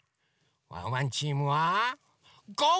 ワンワンチームは「ゴー！